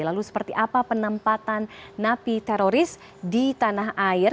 lalu seperti apa penempatan napi teroris di tanah air